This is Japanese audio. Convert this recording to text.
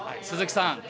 鈴木さん